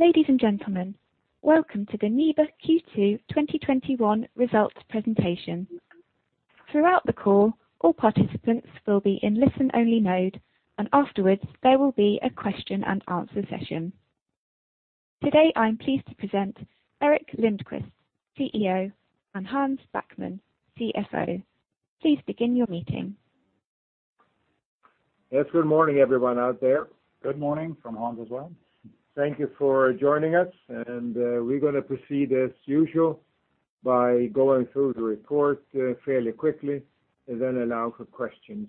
Ladies and gentlemen, welcome to the NIBE Q2 2021 results presentation. Throughout the call, all participants will be in listen only mode, and afterwards, there will be a question and answer session. Today, I'm pleased to present Gerteric Lindquist, CEO, and Hans Backman, CFO. Please begin your meeting. Yes. Good morning, everyone out there. Good morning from Hans as well. Thank you for joining us. We're going to proceed as usual by going through the report fairly quickly and then allow for questions.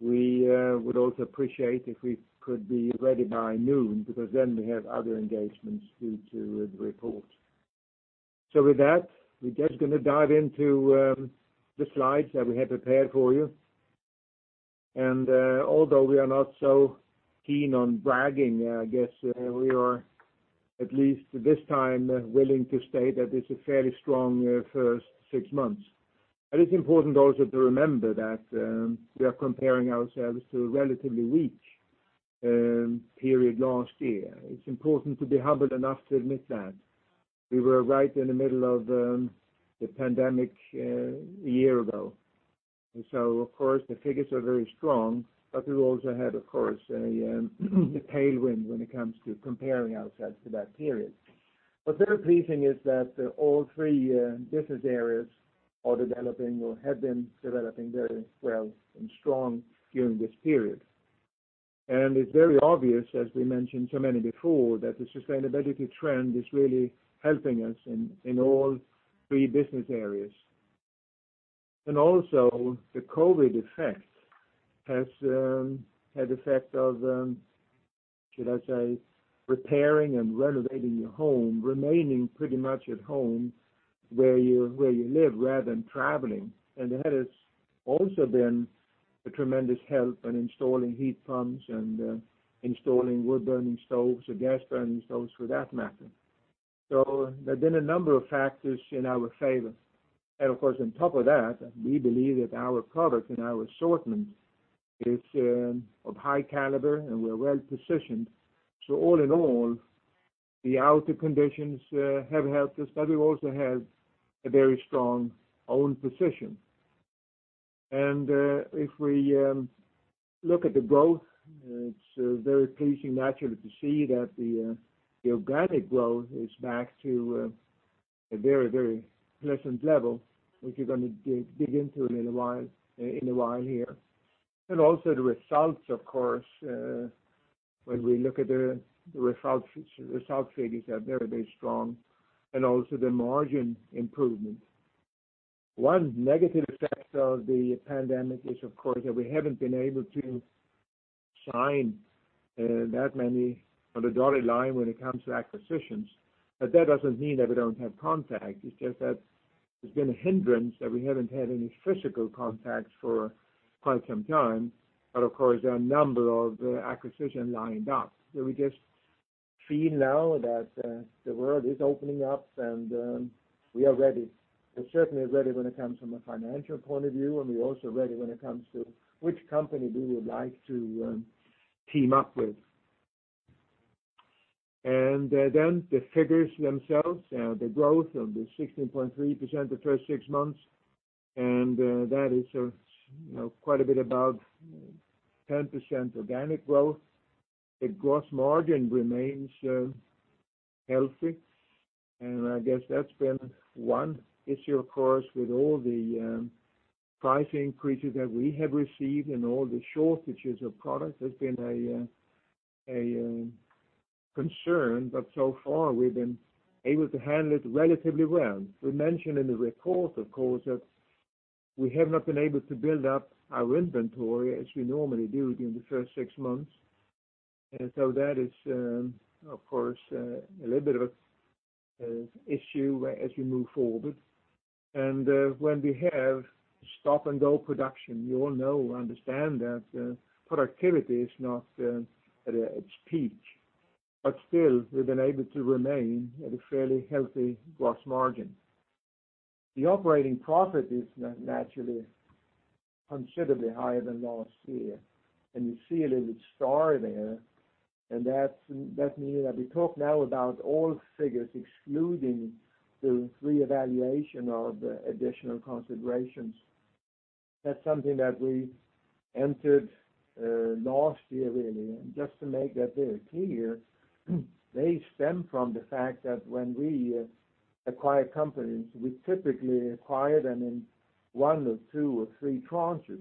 We would also appreciate if we could be ready by noon, because then we have other engagements due to the report. With that, we're just going to dive into the slides that we have prepared for you. Although we are not so keen on bragging, I guess we are at least this time willing to state that it's a fairly strong first 6 months. It's important also to remember that we are comparing ourselves to a relatively weak period last year. It's important to be humble enough to admit that. We were right in the middle of the pandemic a year ago. Of course, the figures are very strong, but we've also had, of course, the tailwind when it comes to comparing ourselves to that period. What's very pleasing is that all 3 business areas are developing or have been developing very well and strong during this period. It's very obvious, as we mentioned so many before, that the sustainability trend is really helping us in all 3 business areas. Also, the COVID effect has had effect of, should I say, repairing and renovating your home, remaining pretty much at home where you live, rather than traveling. That has also been a tremendous help in installing heat pumps and installing wood burning Stoves or gas burning Stoves for that matter. There's been a number of factors in our favor. Of course, on top of that, we believe that our product and our assortment is of high caliber and we're well-positioned. All in all, the outer conditions have helped us, but we've also had a very strong own position. If we look at the growth, it's very pleasing naturally to see that the organic growth is back to a very pleasant level, which we're going to dig into in a while here. Also the results, of course, when we look at the result figures are very strong and also the margin improvement. One negative effect of the pandemic is, of course, that we haven't been able to sign that many on the dotted line when it comes to acquisitions. That doesn't mean that we don't have contact. It's just that there's been a hindrance that we haven't had any physical contact for quite some time. Of course, there are a number of acquisitions lined up. We just feel now that the world is opening up and we are ready. We're certainly ready when it comes from a financial point of view, and we're also ready when it comes to which company we would like to team up with. The figures themselves, the growth of the 16.3% the first 6 months, and that is quite a bit above 10% organic growth. The gross margin remains healthy, and I guess that's been one issue, of course, with all the price increases that we have received and all the shortages of products, has been a concern. So far, we've been able to handle it relatively well. We mentioned in the report, of course, that we have not been able to build up our inventory as we normally do during the first 6 months. That is, of course, a little bit of an issue as we move forward. When we have stop and go production, you all know or understand that productivity is not at its peak. Still, we've been able to remain at a fairly healthy gross margin. The operating profit is naturally considerably higher than last year, and you see a little star there, and that means that we talk now about all figures excluding the reevaluation of the additional considerations. That's something that we entered last year, really. Just to make that very clear, they stem from the fact that when we acquire companies, we typically acquire them in 1 or 2 or 3 tranches,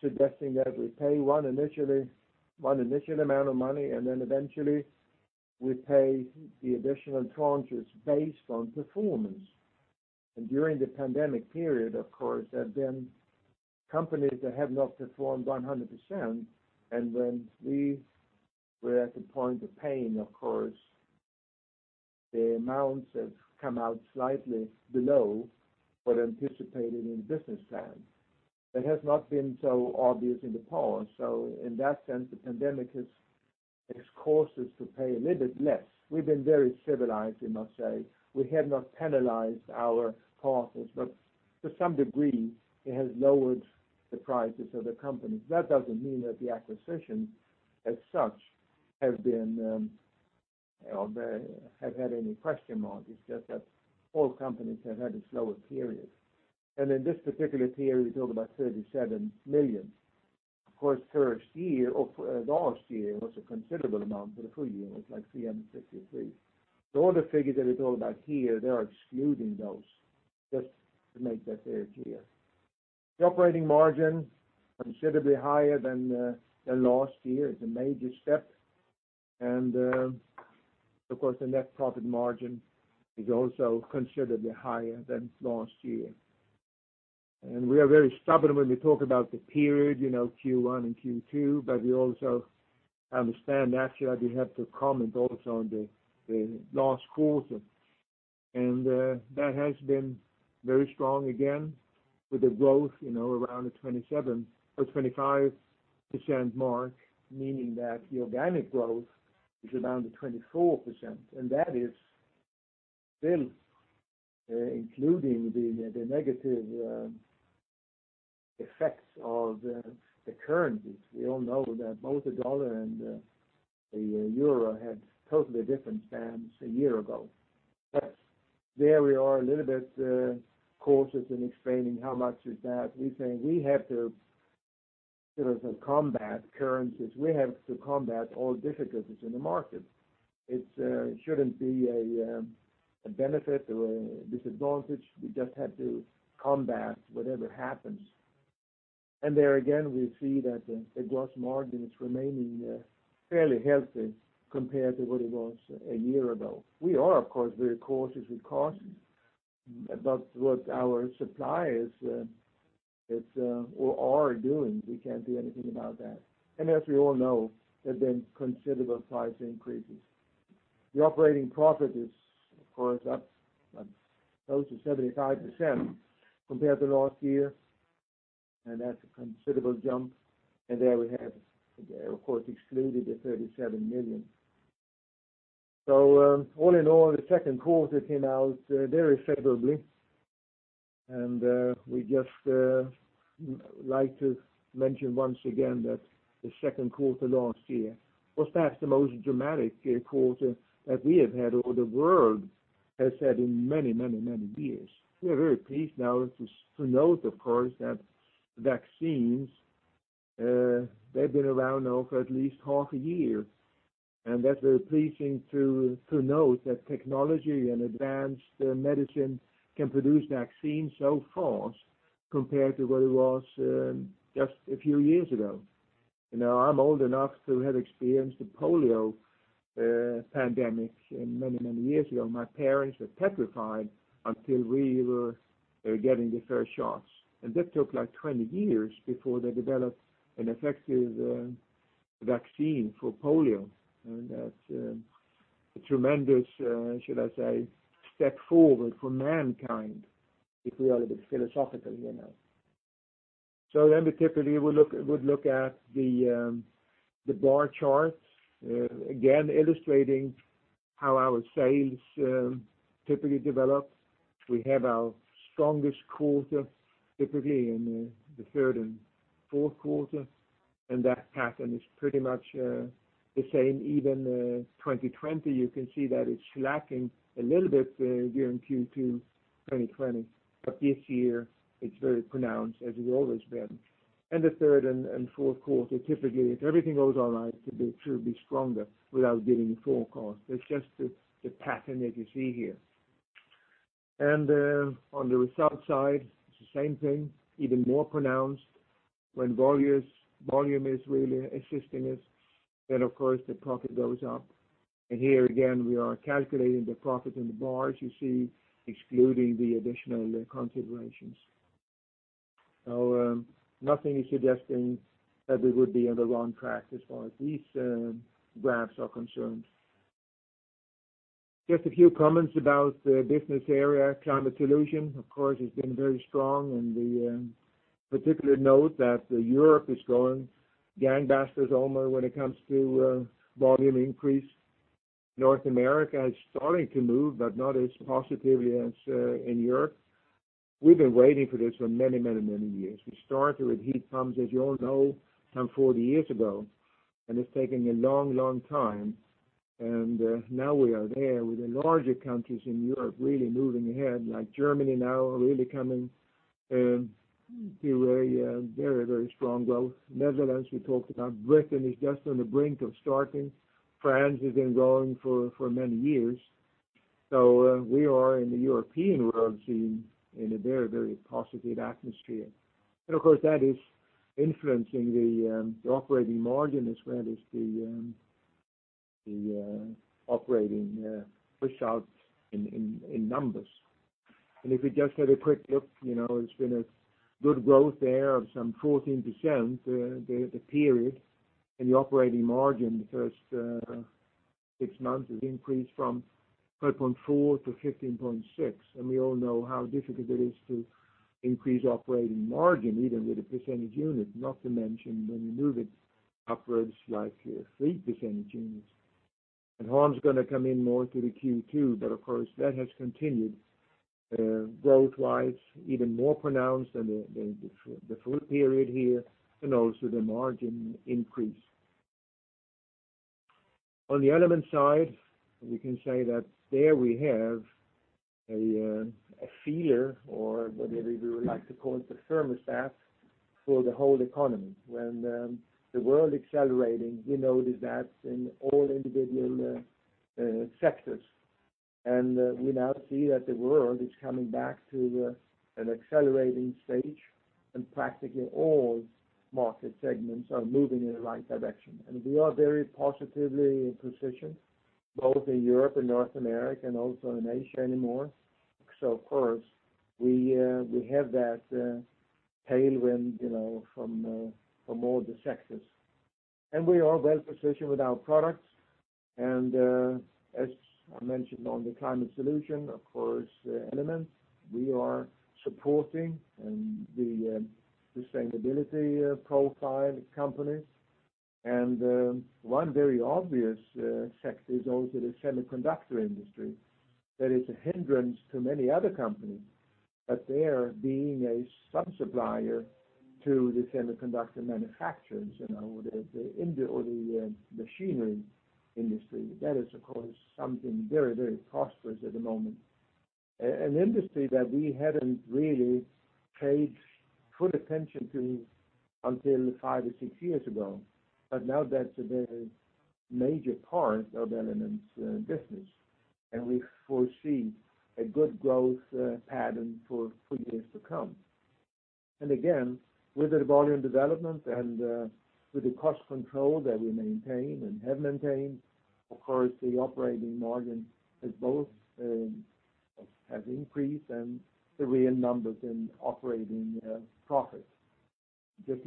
suggesting that we pay 1 initial amount of money, and then eventually we pay the additional tranches based on performance. During the pandemic period, of course, there have been companies that have not performed 100%. When we were at the point of paying, of course, the amounts have come out slightly below what anticipated in the business plan. That has not been so obvious in the past. In that sense, the pandemic has caused us to pay a little bit less. We've been very civilized, we must say. We have not penalized our partners. To some degree, it has lowered the prices of the companies. That doesn't mean that the acquisitions as such have had any question marks. It's just that all companies have had a slower period. In this particular period, we talk about 37 million. Of course, last year was a considerable amount for the full year. It was like 363 million. All the figures that we talk about here, they are excluding those, just to make that very clear. The operating margin, considerably higher than last year. It's a major step. Of course, the net profit margin is also considerably higher than last year. We are very stubborn when we talk about the period, Q1 and Q2, but we also understand, actually, we have to comment also on the last quarter. That has been very strong again with the growth around the 25% mark, meaning that the organic growth is around the 24%. That is still including the negative effects of the currencies. We all know that both the dollar and the euro had totally different stands a year ago. There we are a little bit cautious in explaining how much is that. We think we have to combat currencies. We have to combat all difficulties in the market. It shouldn't be a benefit or a disadvantage. We just have to combat whatever happens. There again, we see that the gross margin is remaining fairly healthy compared to what it was a year ago. We are, of course, very cautious with costs, but what our suppliers are doing, we can't do anything about that. As we all know, there's been considerable price increases. The operating profit is, of course, up close to 75% compared to last year, and that's a considerable jump. There we have, of course, excluded the 37 million. All in all, the second quarter came out very favorably, and we just like to mention once again that the second quarter last year was perhaps the most dramatic quarter that we have had or the world has had in many years. We are very pleased now to note, of course, that vaccines, they've been around now for at least half a year, and that we're pleasing to note that technology and advanced medicine can produce vaccines so fast compared to what it was just a few years ago. I'm old enough to have experienced the polio pandemic many years ago. My parents were petrified until we were getting the first shots. That took 20 years before they developed an effective vaccine for polio, that's a tremendous, should I say, step forward for mankind, if we are a bit philosophical. We typically would look at the bar charts, again, illustrating how our sales typically develop. We have our strongest quarter typically in the third and fourth quarter, that pattern is pretty much the same. Even 2020, you can see that it's slacking a little bit there during Q2 2020. This year, it's very pronounced, as it's always been. The third and fourth quarter, typically, if everything goes all right, it should be stronger without giving a forecast. That's just the pattern that you see here. On the result side, it's the same thing, even more pronounced. When volume is really assisting us, then of course, the profit goes up. Here again, we are calculating the profit in the bars you see, excluding the additional considerations. Nothing is suggesting that we would be on the wrong track as far as these graphs are concerned. Just a few comments about the business area. NIBE Climate Solutions, of course, has been very strong, and we particularly note that Europe is growing gangbusters almost when it comes to volume increase. North America is starting to move, but not as positively as in Europe. We've been waiting for this for many years. We started with heat pumps, as you all know, some 40 years ago, it's taken a long time. Now we are there with the larger countries in Europe really moving ahead, like Germany now really coming to a very strong growth. Netherlands, we talked about. Britain is just on the brink of starting. France has been growing for many years. We are in the European world seen in a very positive atmosphere. Of course, that is influencing the operating margin as well as the operating results in numbers. If we just have a quick look, it's been a good growth there of some 14% there the period. The operating margin the first six months has increased from 13.4%-15.6%. We all know how difficult it is to increase operating margin, even with a percentage unit, not to mention when you move it upwards like 3 percentage units. Hans is going to come in more to the Q2, but of course, that has continued growth-wise, even more pronounced than the full period here, and also the margin increase. On the Element side, we can say that there we have a feel or whatever we would like to call it, the thermostat for the whole economy. When the world accelerating, we notice that in all individual sectors. We now see that the world is coming back to an accelerating stage and practically all market segments are moving in the right direction. We are very positively positioned, both in Europe and North America, and also in Asia anymore. Of course, we have that tailwind from all the sectors. We are well-positioned with our products. As I mentioned on the climate solution, of course, Element we are supporting and the sustainability profile companies. One very obvious sector is also the semiconductor industry. That is a hindrance to many other companies, but there being a sub-supplier to the semiconductor manufacturers or the machinery industry. That is, of course, something very prosperous at the moment. An industry that we hadn't really paid full attention to until 5 or 6 years ago, but now that's a very major part of Element's business, and we foresee a good growth pattern for years to come. Again, with the volume development and with the cost control that we maintain and have maintained, of course, the operating margin has increased and the real numbers in operating profits. Just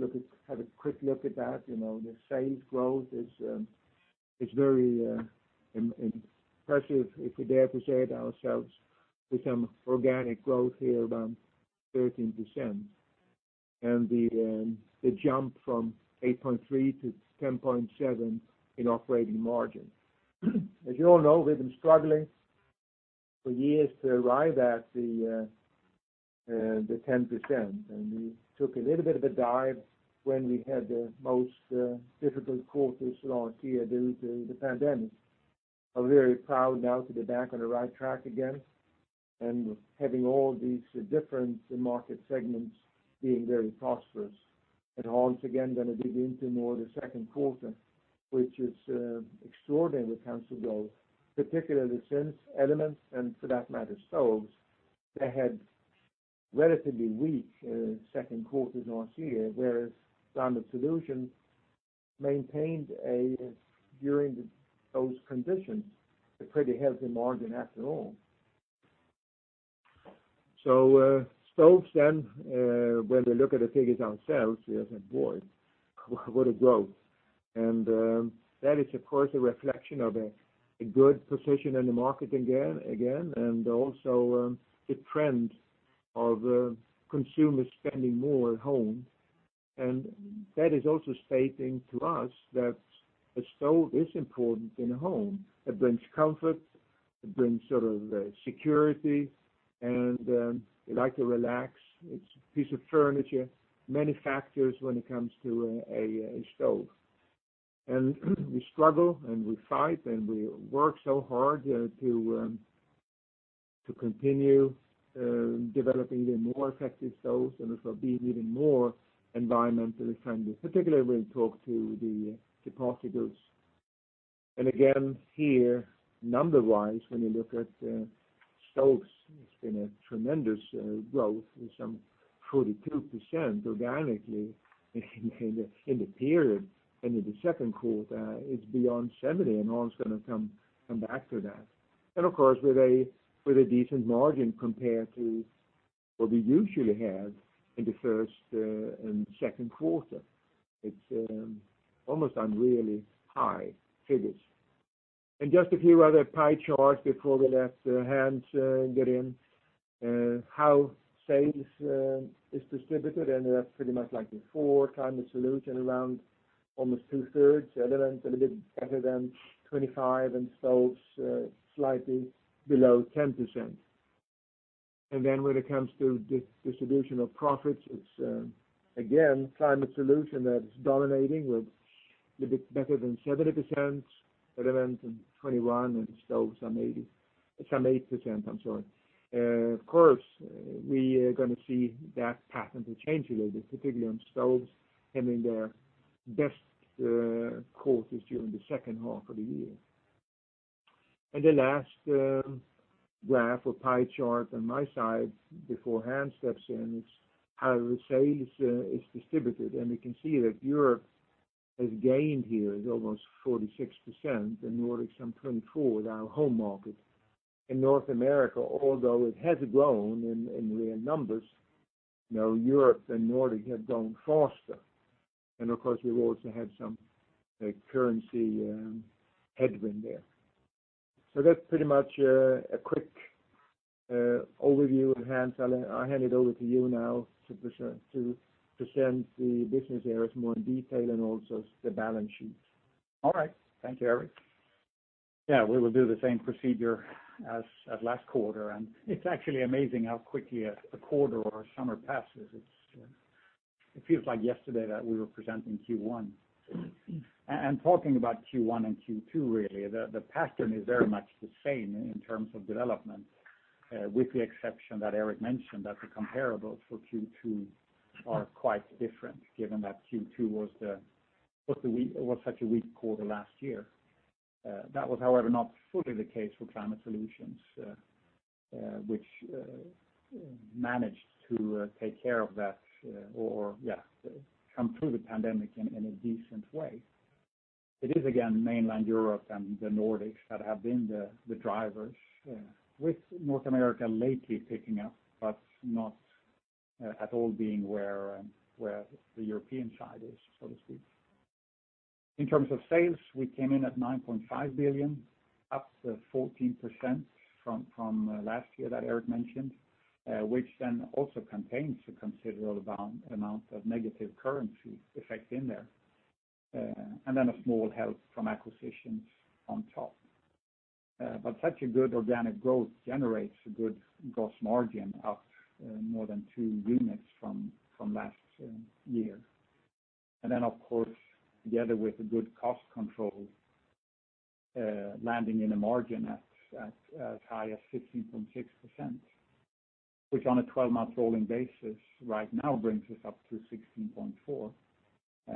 have a quick look at that. The sales growth is very impressive, if we dare to say it ourselves, with some organic growth here around 13%. The jump from 8.3 to 10.7 in operating margin. As you all know, we've been struggling for years to arrive at the 10%, and we took a little bit of a dive when we had the most difficult quarter last year due to the pandemic. I'm very proud now to be back on the right track again and having all these different market segments being very prosperous. Hans again, going to dig into more the second quarter, which is extraordinary when it comes to growth, particularly since Element, and for that matter, Stoves, they had relatively weak second quarters last year, whereas Climate Solutions maintained a, during those conditions, a pretty healthy margin after all. NIBE Stoves, when we look at the figures ourselves, we think, what a growth. That is, of course, a reflection of a good position in the market again, and also the trend of consumers spending more at home. That is also stating to us that a stove is important in a home. It brings comfort, it brings sort of security, and we like to relax. It's a piece of furniture. Many factors when it comes to a stove. We struggle and we fight, and we work so hard to continue developing even more effective Stoves and also being even more environmentally friendly, particularly when it comes to the particulates. Again, here, number-wise, when you look at Stoves, it's been a tremendous growth with some 42% organically in the period. In the second quarter, it's beyond 70, Hans is going to come back to that. Of course, with a decent margin compared to what we usually have in the first and second quarter. It's almost unruly high figures. Just a few other pie charts before we let Hans get in. How sales is distributed, that's pretty much like before, NIBE Climate Solutions around almost two-thirds, NIBE Element a little bit better than 25, NIBE Stoves slightly below 10%. When it comes to distribution of profits, it's again, NIBE Climate Solutions that's dominating with a little bit better than 70%, NIBE Element in 21, NIBE Stoves some 80. Some 8%, I'm sorry. Of course, we are going to see that pattern will change a little bit, particularly on NIBE Stoves having their best quarters during the second half of the year. The last graph or pie chart on my side before Hans steps in, it's how the sales is distributed. We can see that Europe has gained here. It's almost 46%, and Nordic some 24%, our home market. In North America, although it has grown in real numbers, Europe and Nordic have grown faster. Of course, we've also had some currency headwind there. So that's pretty much a quick overview at hand. I'll hand it over to you now to present the business areas more in detail and also the balance sheets. All right. Thank you, Eric. We will do the same procedure as last quarter, and it is actually amazing how quickly a quarter or a summer passes. It feels like yesterday that we were presenting Q1. Talking about Q1 and Q2, really, the pattern is very much the same in terms of development, with the exception that Eric mentioned, that the comparables for Q2 are quite different given that Q2 was such a weak quarter last year. That was, however, not fully the case for Climate Solutions, which managed to take care of that or come through the pandemic in a decent way. It is again mainland Europe and the Nordics that have been the drivers, with North America lately picking up, but not at all being where the European side is, so to speak. In terms of sales, we came in at 9.5 billion, up 14% from last year that Gerteric Lindquist mentioned, which also contains a considerable amount of negative currency effect in there, and a small help from acquisitions on top. Such a good organic growth generates a good gross margin, up more than 2 units from last year. Of course, together with good cost control, landing in a margin as high as 16.6%, which on a 12-month rolling basis right now brings us up to 16.4 billion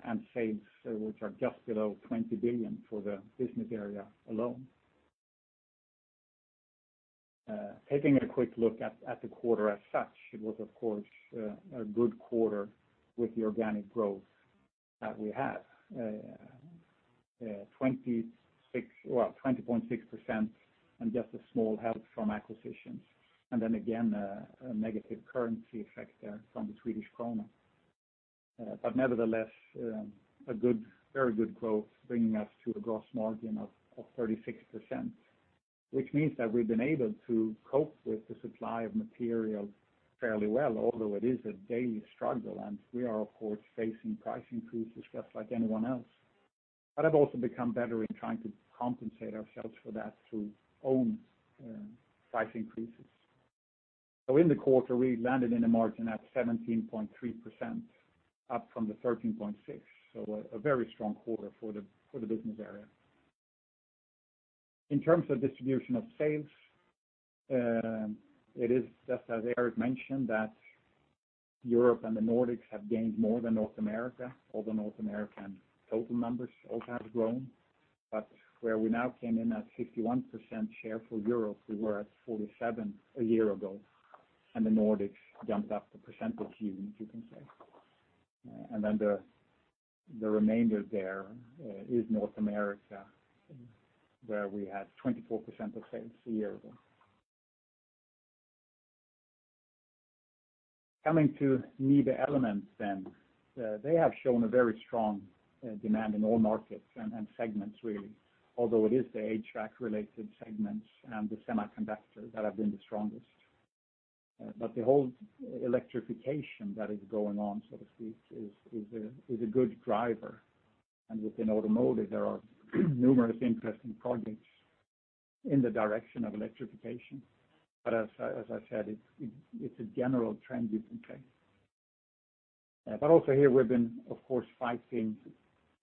in sales, which are just below 20 billion for the business area alone. Taking a quick look at the quarter as such, it was of course a good quarter with the organic growth that we had. 20.6% and just a small help from acquisitions. Again, a negative currency effect there from the Swedish krona. Nevertheless, a very good growth, bringing us to a gross margin of 36%, which means that we've been able to cope with the supply of material fairly well, although it is a daily struggle, and we are, of course, facing price increases just like anyone else. Have also become better in trying to compensate ourselves for that through own price increases. In the quarter, we landed in a margin at 17.3%, up from the 13.6%. A very strong quarter for the business area. In terms of distribution of sales, it is just as Eric mentioned that Europe and the Nordics have gained more than North America, although North American total numbers also have grown. Where we now came in at 51% share for Europe, we were at 47% a year ago, and the Nordics jumped up the 1 percentage unit, you can say. The remainder there is North America, where we had 24% of sales a year ago. Coming to NIBE Element. They have shown a very strong demand in all markets and segments, really. Although it is the HVAC-related segments and the semiconductors that have been the strongest. The whole electrification that is going on, so to speak, is a good driver. Within automotive, there are numerous interesting projects in the direction of electrification. As I said, it's a general trend, you can say. Also here we've been, of course, fighting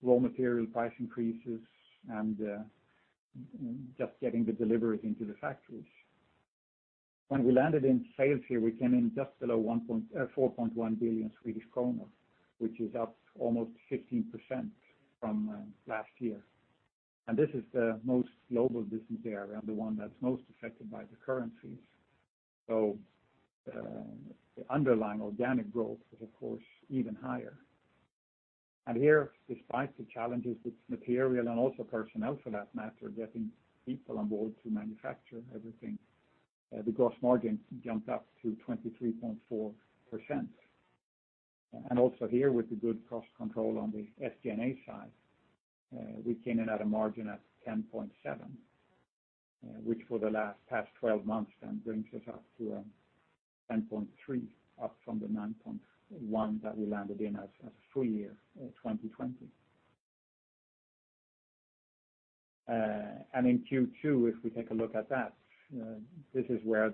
raw material price increases and just getting the deliveries into the factories. When we landed in sales here, we came in just below 4.1 billion Swedish kronor, which is up almost 15% from last year. This is the most global business area and the one that's most affected by the currencies. The underlying organic growth is, of course, even higher. Here, despite the challenges with material and also personnel, for that matter, getting people on board to manufacture everything, the gross margin jumped up to 23.4%. Also here, with the good cost control on the SG&A side, we came in at a margin at 10.7%, which for the last past 12 months then brings us up to 10.3%, up from the 9.1% that we landed in as a full year 2020. In Q2, if we take a look at that, this is where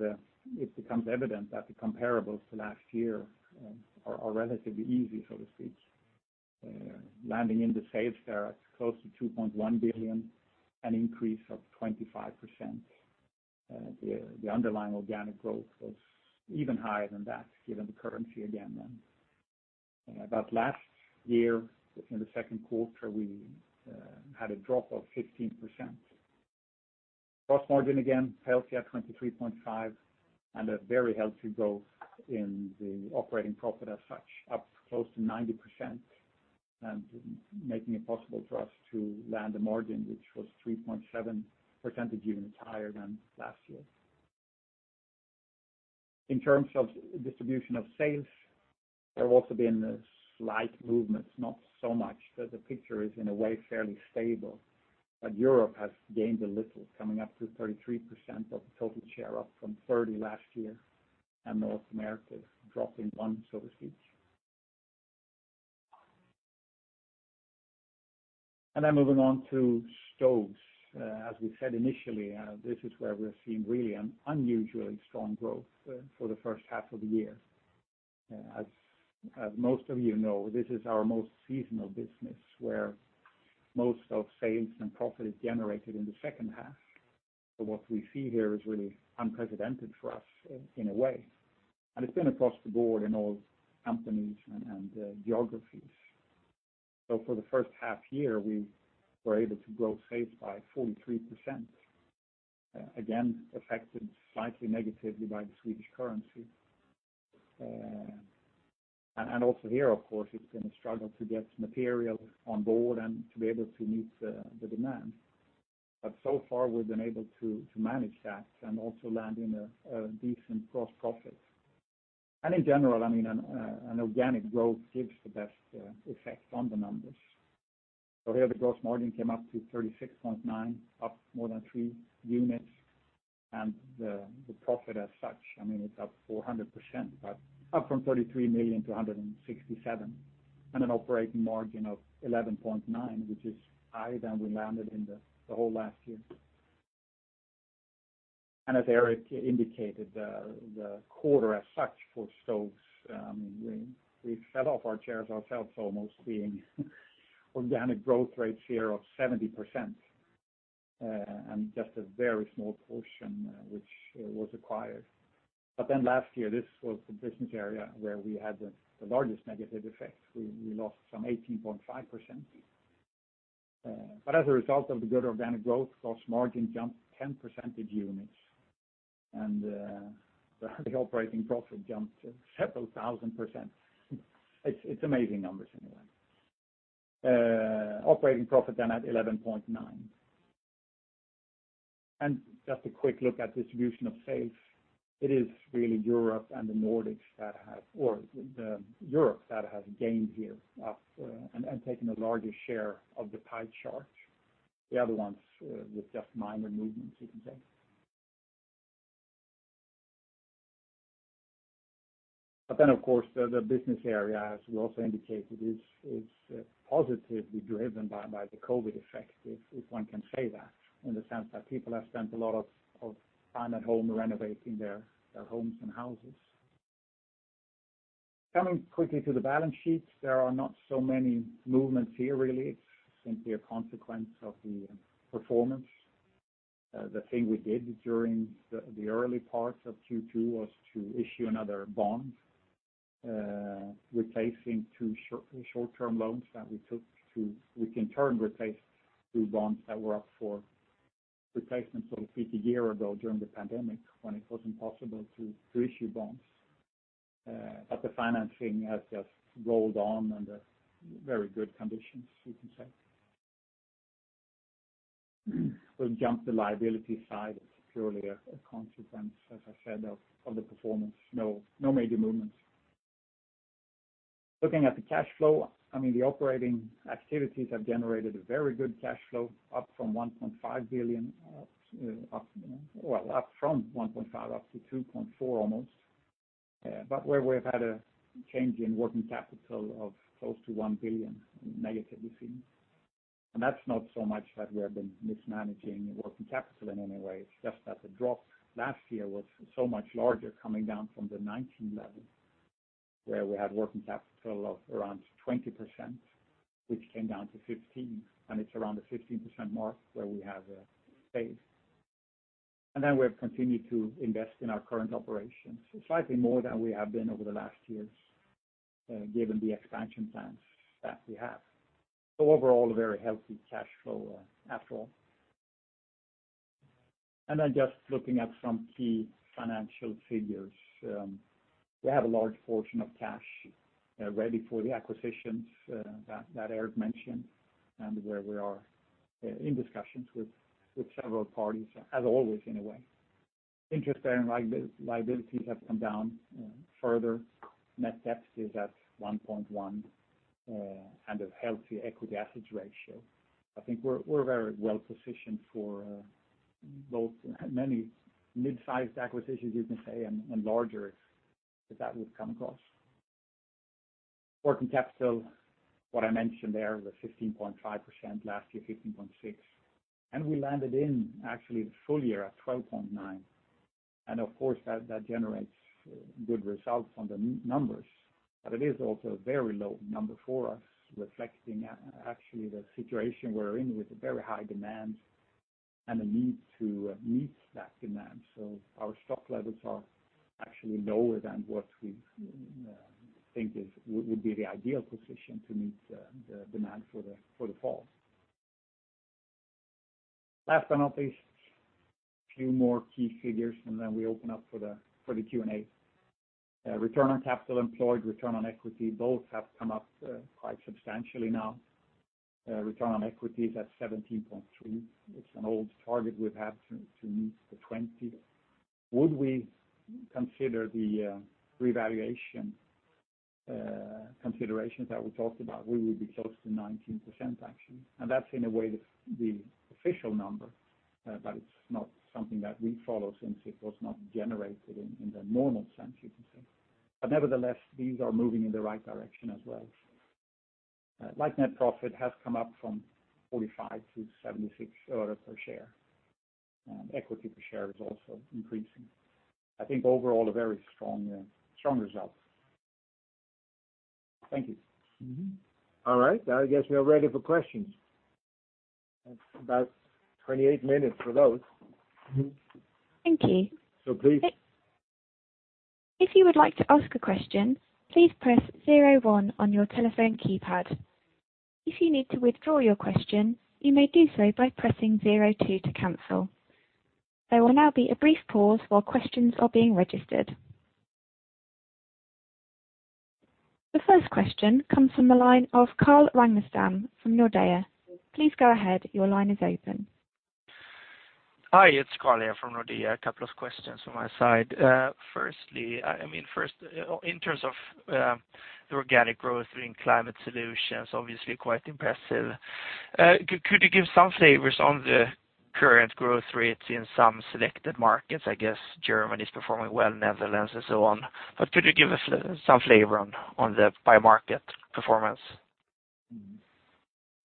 it becomes evident that the comparables to last year are relatively easy, so to speak. Landing in the sales there at close to 2.1 billion, an increase of 25%. The underlying organic growth was even higher than that, given the currency again then. Last year, in the second quarter, we had a drop of 15%. Gross margin, again, healthy at 23.5% and a very healthy growth in the operating profit as such, up close to 90% and making it possible for us to land a margin which was 3.7 percentage units higher than last year. In terms of distribution of sales. There have also been slight movements, not so much that the picture is in a way fairly stable. Europe has gained a little, coming up to 33% of the total share, up from 30% last year, and North America is dropping 1 so to speak. Moving on to Stoves. As we said initially, this is where we're seeing really an unusually strong growth for the first half of the year. As most of you know, this is our most seasonal business, where most of sales and profit is generated in the second half. What we see here is really unprecedented for us in a way. It's been across the board in all companies and geographies. For the first half year, we were able to grow sales by 43%, again, affected slightly negatively by the Swedish currency. Also here, of course, it's been a struggle to get material on board and to be able to meet the demand. So far we've been able to manage that and also land in a decent gross profit. In general, an organic growth gives the best effect on the numbers. Here the gross margin came up to 36.9%, up more than three units. The profit as such, it's up 400%, but up from 33 million to 167, and an operating margin of 11.9%, which is higher than we landed in the whole last year. As Gerteric Lindquist indicated the quarter as such for Stoves, we fell off our chairs ourselves almost seeing organic growth rates here of 70%, and just a very small portion which was acquired. Last year, this was the business area where we had the largest negative effect. We lost some 18.5%. As a result of the good organic growth, gross margin jumped 10 percentage units and the operating profit jumped several thousand percent. It's amazing numbers anyway. Operating profit at 11.9%. Just a quick look at distribution of sales. It is really Europe that has gained here up, taking a larger share of the pie chart. The other ones with just minor movements, you can say. Of course, the business area, as we also indicated, is positively driven by the COVID effect, if one can say that, in the sense that people have spent a lot of time at home renovating their homes and houses. Coming quickly to the balance sheets, there are not so many movements here really. It is simply a consequence of the performance. The thing we did during the early part of Q2 was to issue another bond replacing two short-term loans that we took to replace two bonds that were up for replacement sort of 50 year ago during the pandemic, when it wasn't possible to issue bonds. The financing has just rolled on under very good conditions, you can say. We'll jump the liability side. It's purely a consequence, as I said, of the performance. No major movements. Looking at the cash flow, the operating activities have generated a very good cash flow, up from 1.5 billion up to 2.4 billion almost. Where we've had a change in working capital of close to 1 billion negatively seen. That's not so much that we have been mismanaging working capital in any way. It's just that the drop last year was so much larger coming down from the 2019 level, where we had working capital of around 20%, which came down to 15%, and it's around the 15% mark where we have stayed. We've continued to invest in our current operations, slightly more than we have been over the last years, given the expansion plans that we have. Overall, a very healthy cash flow after all. Just looking at some key financial figures. We have a large portion of cash ready for the acquisitions that Eric mentioned and where we are in discussions with several parties, as always in a way. Interest-bearing liabilities have come down further. Net debt is at 1.1 and a healthy equity assets ratio. I think we're very well positioned for both many mid-sized acquisitions you can say and larger that would come across. Working capital, what I mentioned there was 15.5% last year, 15.6%. We landed in actually the full year at 12.9%. Of course, that generates good results on the numbers. It is also a very low number for us, reflecting actually the situation we are in with a very high demand and a need to meet that demand. Our stock levels are actually lower than what we think would be the ideal position to meet the demand for the fall. Last but not least, few more key figures, and then we open up for the Q&A. Return on capital employed, return on equity, both have come up quite substantially now. Return on equity is at 17.3%. It is an old target we have had to meet the 20%. Would we consider the revaluation considerations that we talked about? We would be close to 19% actually, and that is in a way the official number, but it is not something that we follow since it was not generated in the normal sense, you could say. Nevertheless, these are moving in the right direction as well. Like net profit has come up from 45 to 76 euro per share, and equity per share is also increasing. I think overall a very strong result. Thank you. Mm-hmm. All right. I guess we are ready for questions. About 28 minutes for those. Thank you. Please. The first question comes from the line of Carl Ragnerstam from Nordea. Please go ahead. Your line is open. Hi, it's Carl here from Nordea. A couple of questions from my side. Firstly, in terms of the organic growth in Climate Solutions, obviously quite impressive. Could you give some flavors on the current growth rates in some selected markets? I guess Germany is performing well, Netherlands, and so on, but could you give us some flavor on the by-market performance?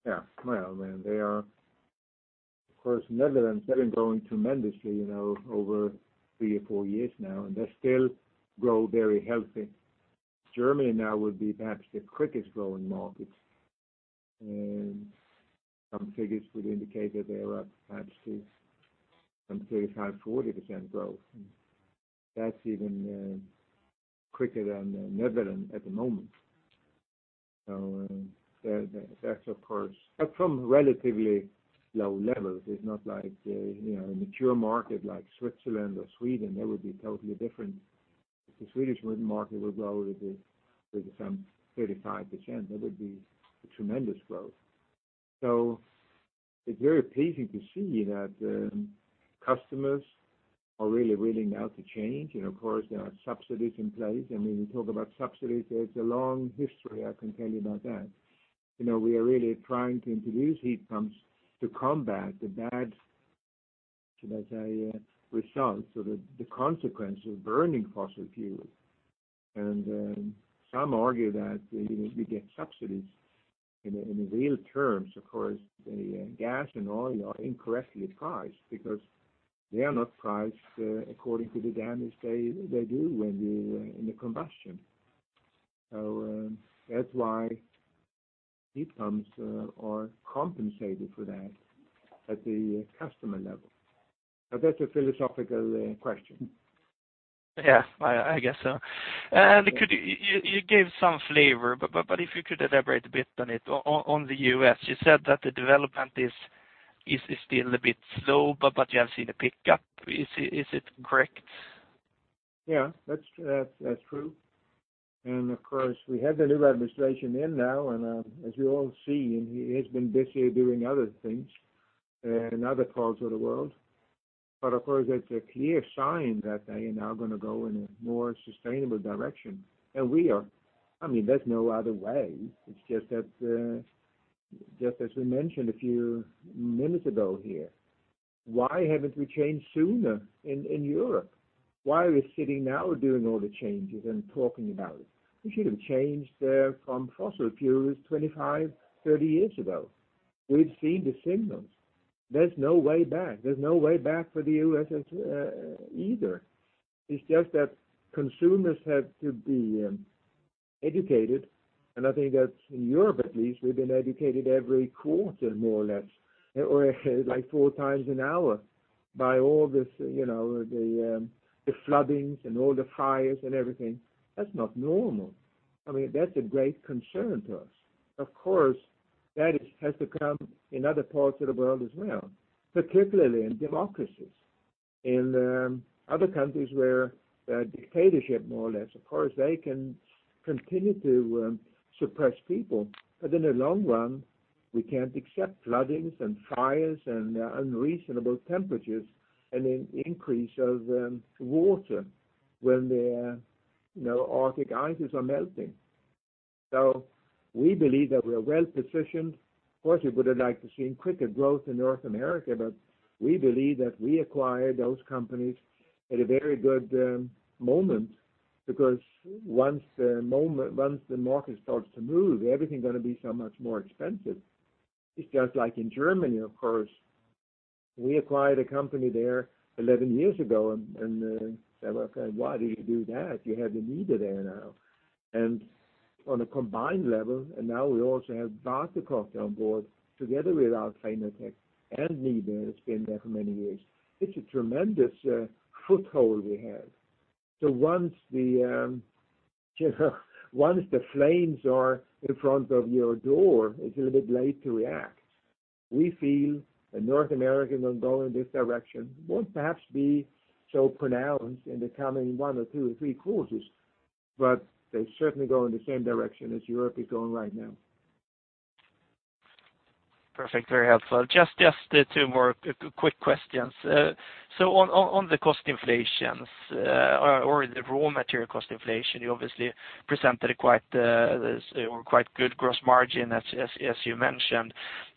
Yeah. Well, of course, Netherlands, they've been growing tremendously over three or four years now, and they still grow very healthy. Germany now would be perhaps the quickest growing market. Some figures would indicate that they are up perhaps some 35%, 40% growth. That's even quicker than Netherlands at the moment. That's, of course, from relatively low levels. It's not like a mature market like Switzerland or Sweden. That would be totally different. If the Swedish market would grow 35%, that would be a tremendous growth. It's very pleasing to see that customers are really willing now to change. Of course, there are subsidies in place. When you talk about subsidies, there's a long history I can tell you about that. We are really trying to introduce heat pumps to combat the bad, should I say, results or the consequence of burning fossil fuels. Some argue that we get subsidies in real terms. Of course, the gas and oil are incorrectly priced because they are not priced according to the damage they do in the combustion. That's why heat pumps are compensated for that at the customer level. That's a philosophical question. Yeah, I guess so. You gave some flavor, but if you could elaborate a bit on it. On the U.S., you said that the development is still a bit slow, but you have seen a pickup. Is it correct? Yeah, that's true. Of course, we have the new administration in now, and as you all see, he has been busy doing other things in other parts of the world. Of course, that's a clear sign that they are now going to go in a more sustainable direction. There's no other way. It's just as we mentioned a few minutes ago here, why haven't we changed sooner in Europe? Why are we sitting now doing all the changes and talking about it? We should have changed from fossil fuels 25, 30 years ago. We've seen the signals. There's no way back. There's no way back for the U.S. either. It's just that consumers have to be educated, and I think that in Europe, at least, we've been educated every quarter, more or less, or four times an hour by all this, the floodings and all the fires and everything. That's not normal. That's a great concern to us. Of course, that has to come in other parts of the world as well, particularly in democracies. In other countries where there are dictatorship, more or less, of course they can continue to suppress people. In the long run, we can't accept floodings and fires and unreasonable temperatures and an increase of water when the Arctic ices are melting. We believe that we are well-positioned. Of course, we would have liked to seen quicker growth in North America, but we believe that we acquired those companies at a very good moment because once the market starts to move, everything going to be so much more expensive. It's just like in Germany, of course. We acquired a company there 11 years ago, several said, "Why did you do that? You have NIBE there now." On a combined level, and now we also have Waterkotte on board together with our ClimateMaster, and NIBE has been there for many years. It's a tremendous foothold we have. Once the flames are in front of your door, it's a little bit late to react. We feel that North America is going to go in this direction. It won't perhaps be so pronounced in the coming 1 quarter or 2 quarters or 3 quarters. They're certainly going in the same direction as Europe is going right now. Perfect. Very helpful. Just 2 more quick questions. On the cost inflations, or the raw material cost inflation, you obviously presented a quite good gross margin as you mentioned.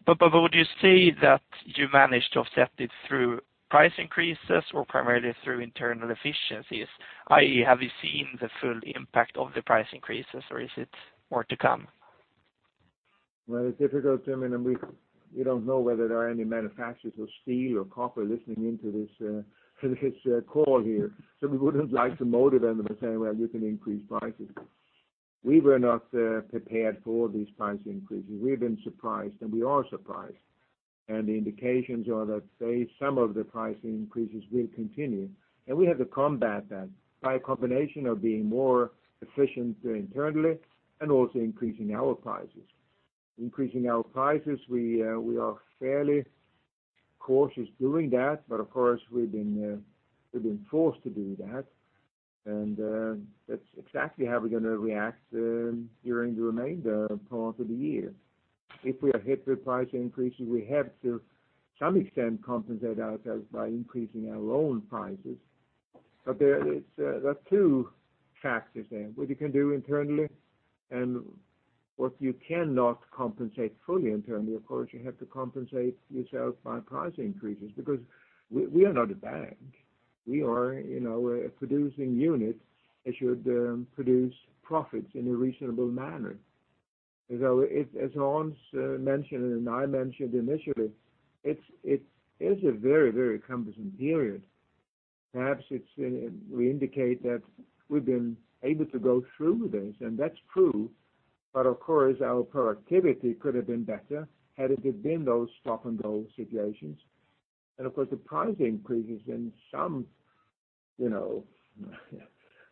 Would you say that you managed to offset it through price increases or primarily through internal efficiencies? Have you seen the full impact of the price increases, or is it more to come? Well, it's difficult, Jimmy, and we don't know whether there are any manufacturers of steel or copper listening in to this call here. We wouldn't like to motivate them by saying, "Well, you can increase prices." We were not prepared for these price increases. We've been surprised, and we are surprised. The indications are that say some of the price increases will continue. We have to combat that by a combination of being more efficient internally and also increasing our prices. Increasing our prices, we are fairly cautious doing that, but of course, we've been forced to do that. That's exactly how we're going to react during the remainder part of the year. If we are hit with price increases, we have to some extent compensate ourselves by increasing our own prices. There are two factors there. What you can do internally and what you cannot compensate fully internally. Of course, you have to compensate yourself by price increases because we are not a bank. We are a producing unit that should produce profits in a reasonable manner. As Hans mentioned and I mentioned initially, it is a very cumbersome period. Perhaps we indicate that we've been able to go through this, and that's true, but of course, our productivity could have been better had it been those stop-and-go situations. Of course, the price increases in some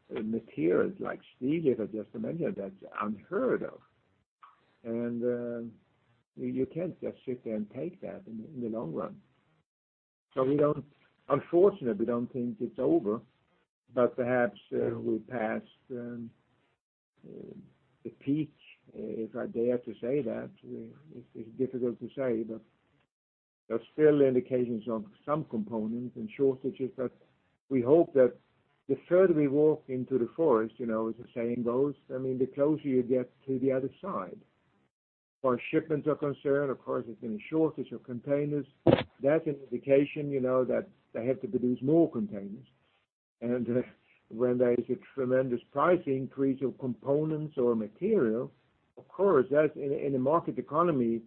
materials like steel, as I just mentioned, that's unheard of. You can't just sit there and take that in the long run. Unfortunately, we don't think it's over, but perhaps we've passed the peak, if I dare to say that. It's difficult to say, but there are still indications of some components and shortages that we hope that the further we walk into the forest, as the saying goes, the closer you get to the other side. As far as shipments are concerned, of course, there's been a shortage of containers. That's an indication that they have to produce more containers. When there is a tremendous price increase of components or material, of course, that in a market economy,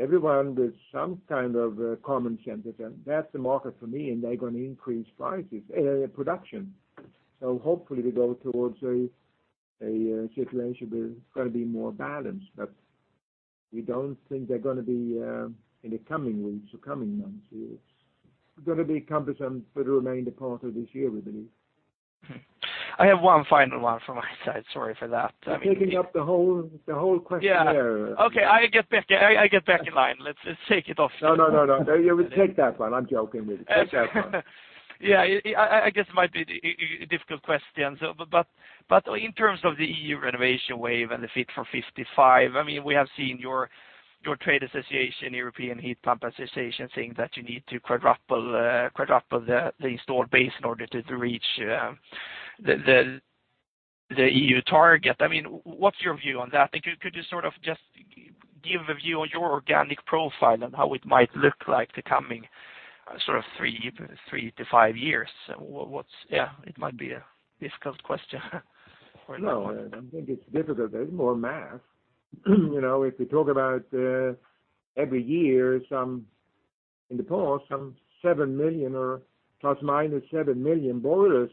everyone with some kind of common sense will say, "That's the market for me," and they're going to increase production. Hopefully we go towards a situation where it's going to be more balanced, but we don't think they're going to be in the coming weeks or coming months here. It's going to be cumbersome for the remainder part of this year, we believe. I have one final one from my side. Sorry for that. You're taking up the whole questionnaire. Yeah. Okay, I get back in line. Let's take it off. No, take that one. I'm joking with you. Take that one. Yeah. I guess it might be a difficult question. In terms of the EU Renovation Wave and the Fit for 55, we have seen your trade association, European Heat Pump Association, saying that you need to quadruple the installed base in order to reach the EU target. What's your view on that? Could you sort of just give a view on your organic profile and how it might look like the coming three to five years? It might be a difficult question. No, I don't think it's difficult. There's more math. If we talk about every year, in the past, some 7 million or ±7 million boilers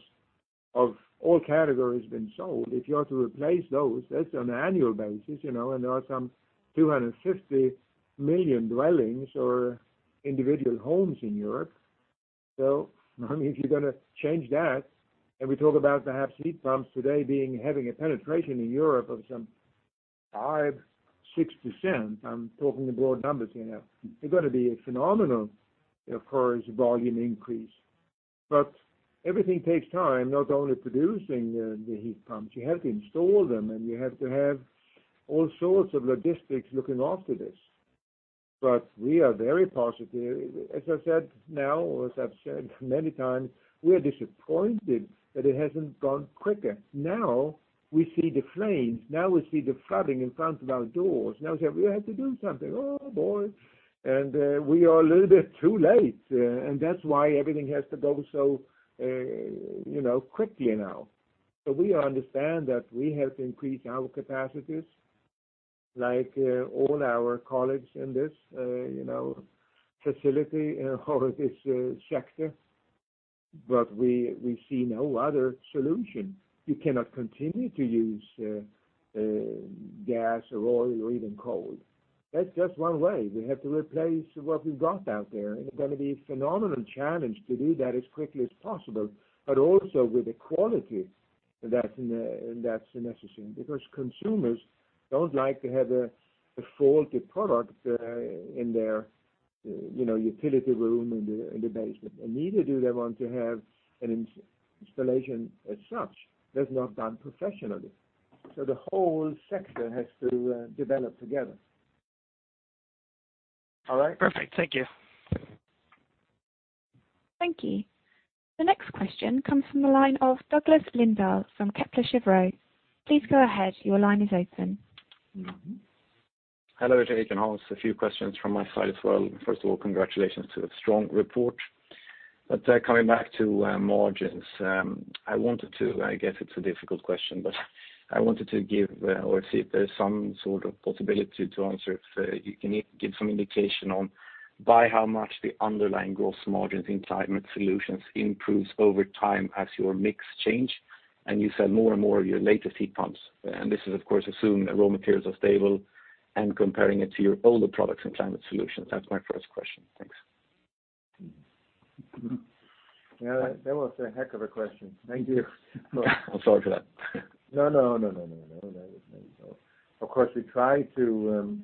of all categories being sold. If you are to replace those, that's on an annual basis, and there are some 250 million dwellings or individual homes in Europe. If you're going to change that, and we talk about perhaps heat pumps today having a penetration in Europe of some 5%, 6%, I'm talking in broad numbers here now. They're going to be a phenomenal, of course, volume increase. Everything takes time, not only producing the heat pumps. You have to install them, and you have to have all sorts of logistics looking after this. We are very positive. As I've said now, or as I've said many times, we are disappointed that it hasn't gone quicker. Now we see the flames. Now we see the flooding in front of our doors. Now we say, "We have to do something. Oh, boy." We are a little bit too late, that's why everything has to go so quickly now. We understand that we have to increase our capacities like all our colleagues in this facility or this sector, we see no other solution. You cannot continue to use gas or oil or even coal. That's just one way. We have to replace what we've got out there, it's going to be a phenomenal challenge to do that as quickly as possible, also with the quality that's necessary because consumers don't like to have a faulty product in their utility room in the basement, neither do they want to have an installation as such that's not done professionally. The whole sector has to develop together. All right? Perfect. Thank you. Thank you. The next question comes from the line of Douglas Lindahl from Kepler Cheuvreux. Please go ahead. Hello to Gerteric Lindquist and Hans Backman. A few questions from my side as well. First of all, congratulations to a strong report. Coming back to margins, I wanted to, I guess it's a difficult question, but I wanted to give or see if there's some sort of possibility to answer if you can give some indication on by how much the underlying gross margins in NIBE Climate Solutions improves over time as your mix change and you sell more and more of your latest heat pumps. This is, of course, assuming that raw materials are stable and comparing it to your older products in NIBE Climate Solutions. That's my first question. Thanks. Yeah. That was a heck of a question. Thank you. I'm sorry for that. No, that was very good. Of course, we try to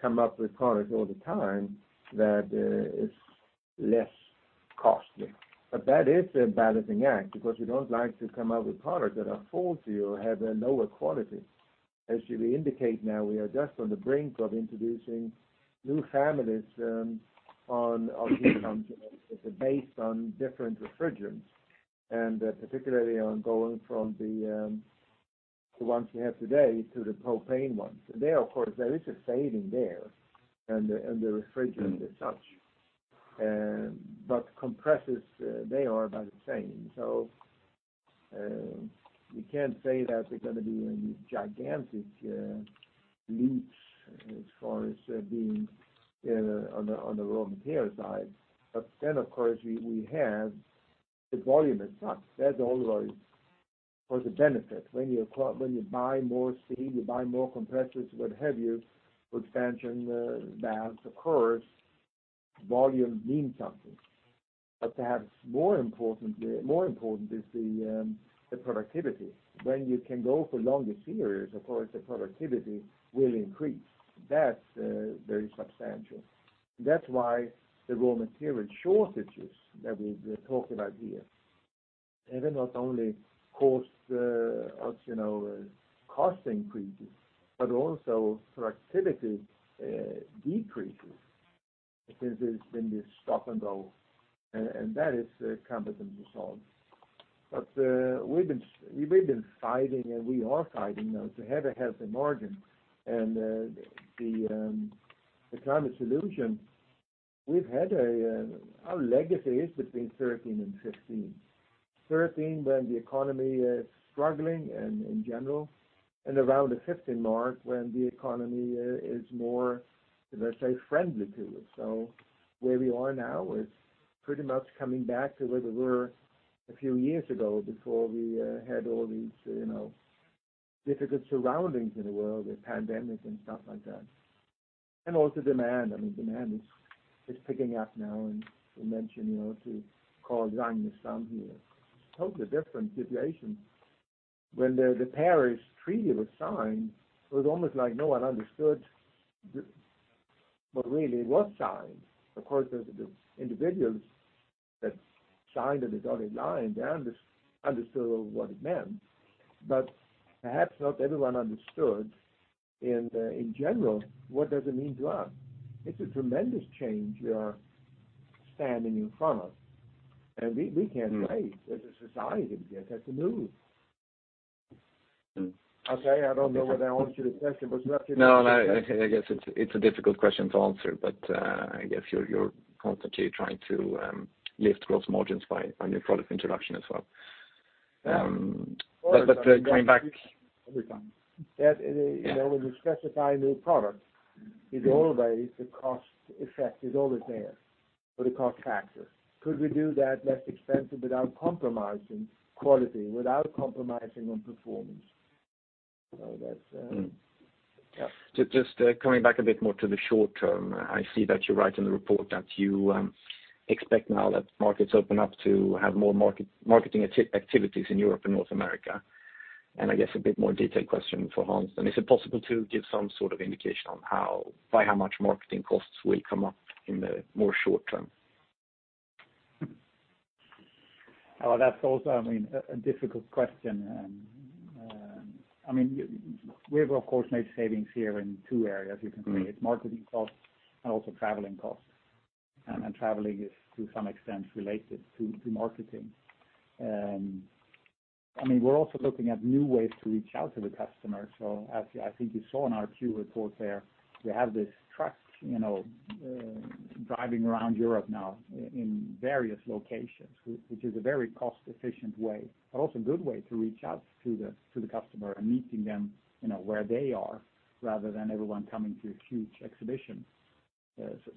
come up with products all the time that is less costly. That is a balancing act because we don't like to come out with products that are faulty or have a lower quality. As we indicate now, we are just on the brink of introducing new families of heat pumps that are based on different refrigerants, and particularly on going from the ones we have today to the propane ones. There, of course, there is a saving there and the refrigerant as such. Compressors, they are about the same. We can't say that they're going to be any gigantic leaps as far as being on the raw material side. Then, of course, we have the volume as such. That's always for the benefit. When you buy more seed, you buy more compressors, what have you, expansion valves, of course, volume means something. Perhaps more important is the productivity. When you can go for longer series, of course, the productivity will increase. That's very substantial. That's why the raw material shortages that we're talking about here, they will not only cost us cost increases, but also productivity decreases because there's been this stop and go, and that is cumbersome to solve. We've been fighting, and we are fighting now to have a healthy margin. The NIBE Climate Solutions, our legacy is between 13 and 15. 13 when the economy is struggling and in general, and around the 15 mark, when the economy is more, let's say, friendly to it. Where we are now is pretty much coming back to where we were a few years ago before we had all these difficult surroundings in the world with pandemic and stuff like that. Also demand. Demand is picking up now, we mentioned to Carl Ragnerstam some here. It's a totally different situation. When the Paris Agreement was signed, it was almost like no one understood what really was signed. Of course, the individuals that signed the dotted line, they understood what it meant, perhaps not everyone understood in general, what does it mean to us? It's a tremendous change we are standing in front of, we can't say as a society, we just have to move. Okay. I don't know whether I answered your question. No. I guess it's a difficult question to answer, but I guess you're constantly trying to lift gross margins by new product introduction as well. Every time. When you specify a new product, the cost effect is always there for the cost factor. Could we do that less expensive without compromising quality, without compromising on performance? Yeah. Just coming back a bit more to the short term, I see that you write in the report that you expect now that markets open up to have more marketing activities in Europe and North America. I guess a bit more detailed question for Hans, is it possible to give some sort of indication on by how much marketing costs will come up in the more short term? That's also a difficult question. We have, of course, made savings here in 2 areas, you can say. It's marketing costs and also traveling costs. Traveling is to some extent related to marketing. We're also looking at new ways to reach out to the customer. As I think you saw in our Q report there, we have this truck driving around Europe now in various locations, which is a very cost-efficient way, but also a good way to reach out to the customer and meeting them where they are rather than everyone coming to a huge exhibition.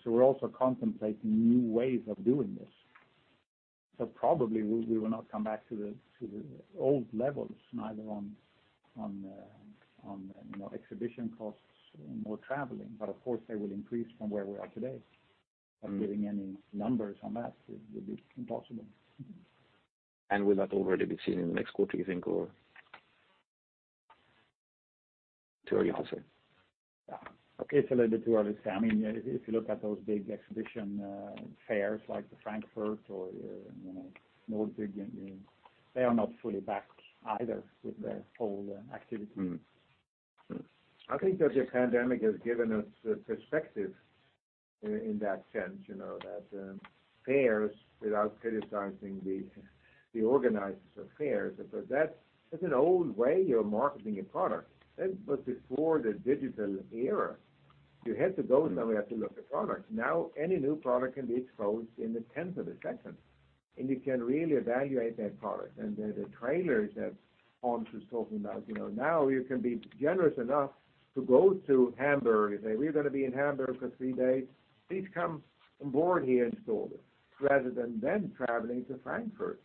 We're also contemplating new ways of doing this. Probably we will not come back to the old levels, neither on exhibition costs nor traveling, but of course, they will increase from where we are today. Of getting any numbers on that would be impossible. Will that already be seen in the next quarter, you think, or too early to say? Yeah. Okay. It's a little bit too early to say. If you look at those big exhibition fairs, like the Frankfurt or the Nordic, they are not fully back either with their whole activity. I think that the pandemic has given us perspective in that sense, that fairs, without criticizing the organizers of fairs, but that is an old way of marketing a product. That was before the digital era. You had to go somewhere to look at products. Now, any new product can be exposed in a 10th of a second, and you can really evaluate that product. The trailers that Hans was talking about, now you can be generous enough to go to Hamburg and say, "We are going to be in Hamburg for three days. Please come on board here in Store," rather than them traveling to Frankfurt.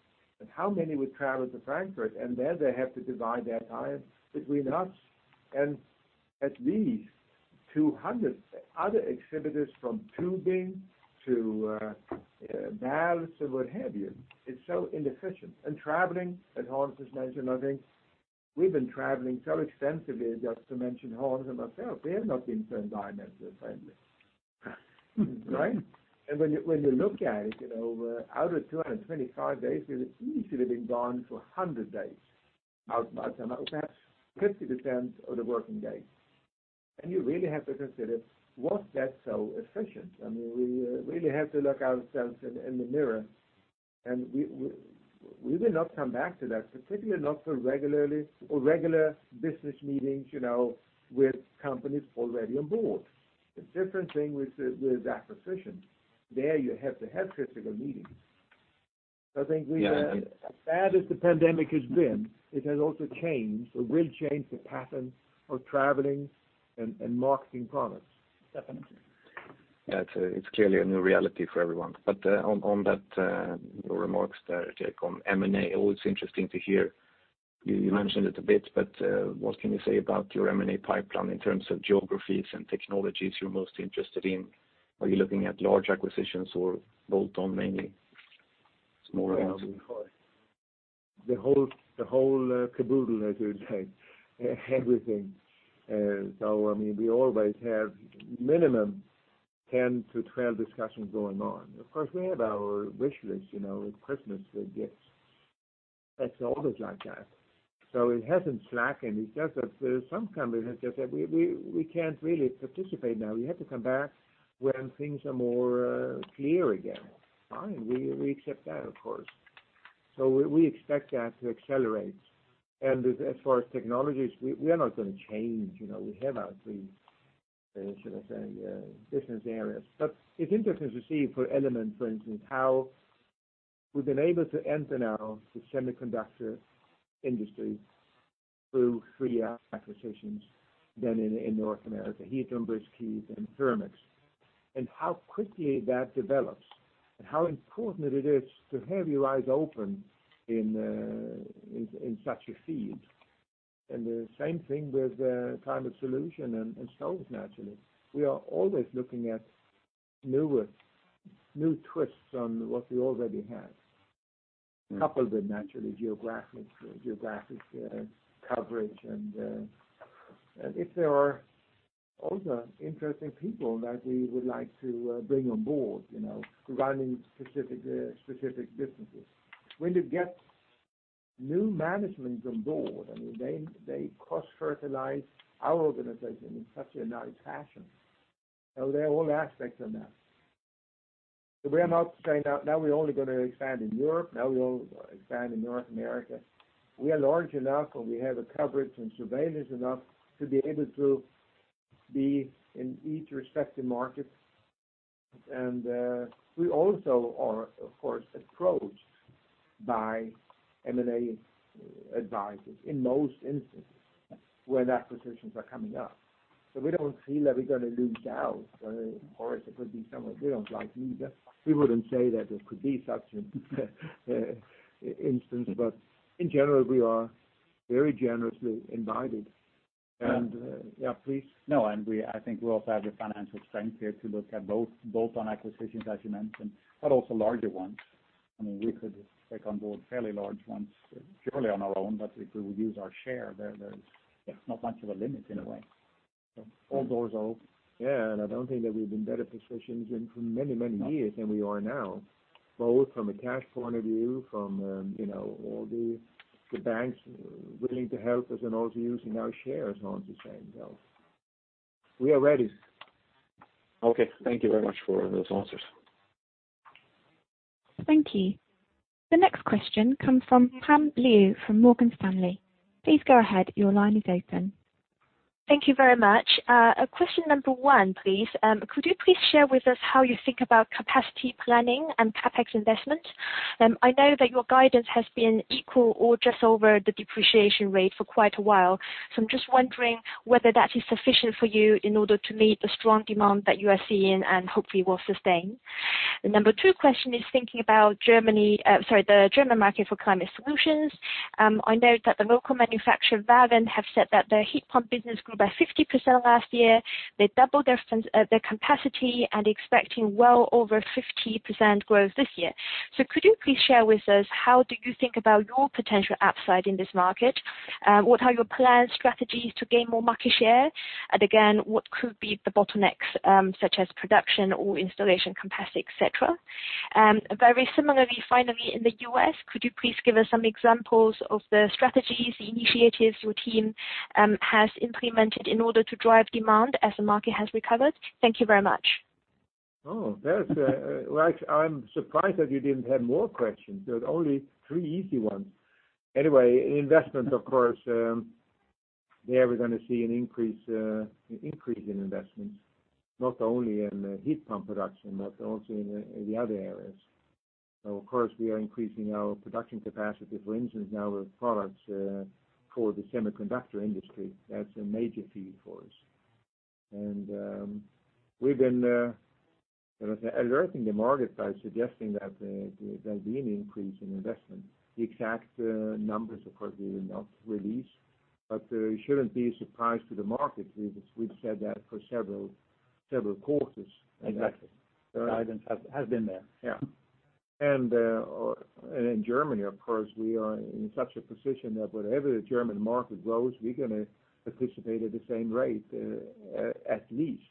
How many would travel to Frankfurt, and there they have to divide their time between us and at least 200 other exhibitors from tubing to valves or what have you. It is so inefficient. Traveling, as Hans just mentioned, I think we've been traveling so extensively, just to mention Hans and myself, we have not been so environmentally friendly. Right? When you look at it, out of 225 days, we've easily been gone for 100 days. Out of perhaps 50% of the working days. You really have to consider, was that so efficient? We really have to look ourselves in the mirror, and we will not come back to that, particularly not for regular business meetings, with companies already on board. It's different thing with acquisitions. There you have to have critical meetings. Yeah. As bad as the pandemic has been, it has also changed or will change the pattern of traveling and marketing products. Definitely. Yeah. It's clearly a new reality for everyone. On your remarks there, Gerteric Lindquist, on M&A, always interesting to hear. You mentioned it a bit, but what can you say about your M&A pipeline in terms of geographies and technologies you're most interested in? Are you looking at large acquisitions or bolt-on mainly, smaller ones? The whole caboodle, as you would say, everything. We always have minimum 10-12 discussions going on. Of course, we have our wish list, you know, Christmas gifts. It's always like that. It hasn't slackened. It's just that some companies have just said, "We can't really participate now. You have to come back when things are more clear again." Fine. We accept that, of course. We expect that to accelerate. As far as technologies, we are not going to change. We have our 3, should I say, business areas. It's interesting to see for Element, for instance, how we've been able to enter now the semiconductor industry through 3 acquisitions than in North America, Heatron, BriskHeat and Therm-x, and how quickly that develops and how important it is to have your eyes open in such a field. The same thing with the Climate Solutions naturally. We are always looking at new twists on what we already have. Coupled with naturally geographic coverage, if there are also interesting people that we would like to bring on board, regarding specific businesses. When you get new management on board, they cross-fertilize our organization in such a nice fashion. There are all aspects on that. We are not saying now we're only going to expand in Europe, now we only expand in North America. We are large enough, we have a coverage and surveillance enough to be able to be in each respective market. We also are, of course, approached by M&A advisors in most instances when acquisitions are coming up. We don't feel that we're going to lose out, or it could be someone we don't like either. We wouldn't say that there could be such an instance, but in general, we are very generously invited. Yeah, please. No, I think we also have the financial strength here to look at both on acquisitions, as you mentioned, but also larger ones. We could take on board fairly large ones purely on our own, but if we would use our share, there's not much of a limit in a way. All doors open. Yeah, I don't think that we've been better positioned in many years than we are now, both from a cash point of view, from all the banks willing to help us and also using our shares, Hans is saying. We are ready. Okay. Thank you very much for those answers. Thank you. The next question comes from Pam Liu from Morgan Stanley. Please go ahead. Your line is open. Thank you very much. Question number 1, please. Could you please share with us how you think about capacity planning and CapEx investment? I know that your guidance has been equal or just over the depreciation rate for quite a while, so I am just wondering whether that is sufficient for you in order to meet the strong demand that you are seeing and hopefully will sustain. The number 2 question is thinking about the German market for Climate Solutions. I note that the local manufacturer Vaillant have said that their heat pump business grew by 50% last year. They doubled their capacity and expecting well over 50% growth this year. Could you please share with us, how do you think about your potential upside in this market? What are your plans, strategies to gain more market share? Again, what could be the bottlenecks, such as production or installation capacity, et cetera? Very similarly, finally, in the U.S., could you please give us some examples of the strategies, the initiatives your team has implemented in order to drive demand as the market has recovered? Thank you very much. Well, I'm surprised that you didn't have more questions. There's only three easy ones. Investment, of course, there we're going to see an increase in investments, not only in the heat pump production, but also in the other areas. Of course, we are increasing our production capacity, for instance, now with products for the semiconductor industry. That's a major feed for us. We've been alerting the market by suggesting that there'll be an increase in investment. The exact numbers, of course, we will not release, but it shouldn't be a surprise to the market. We've said that for several quarters. Exactly. The guidance has been there. In Germany, of course, we are in such a position that wherever the German market grows, we're going to participate at the same rate, at least.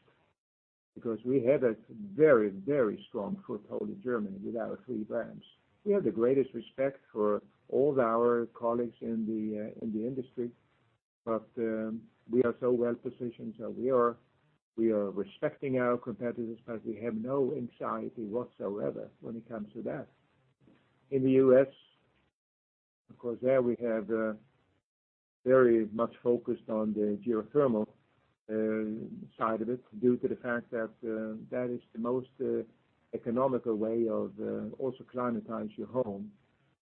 Because we have a very strong foothold in Germany with our three brands. We have the greatest respect for all our colleagues in the industry, but we are so well-positioned. We are respecting our competitors, but we have no anxiety whatsoever when it comes to that. In the U.S., of course, there we have very much focused on the geothermal side of it due to the fact that is the most economical way of also climatize your home,